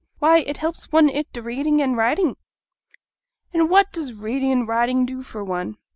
'Why, it helps one i' reading an' writing.' 'And what does reading and writing do for one?'